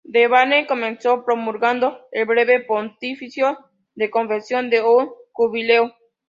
Benavente comenzó promulgando el breve pontificio de concesión de un jubileo.